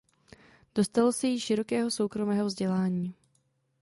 Dostalo se jí širokého soukromého vzdělání.